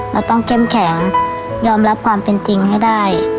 เราต้องเข้มแข็งยอมรับความเป็นจริงให้ได้